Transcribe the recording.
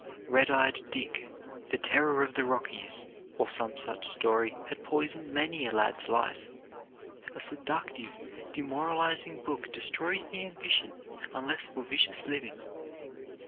"Red eyed Dick, the Terror of the Rockies," or some such story has poisoned many a lad's life. A seductive, demoralizing book destroys the ambition unless for vicious living.